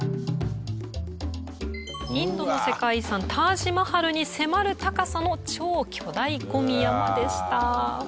インドの世界遺産タージ・マハルに迫る高さの超巨大ゴミ山でした。